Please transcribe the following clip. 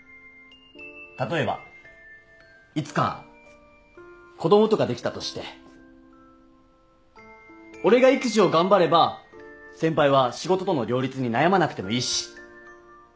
例えばいつか子供とかできたとして俺が育児を頑張れば先輩は仕事との両立に悩まなくてもいいし。